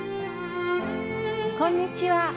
こんにちは。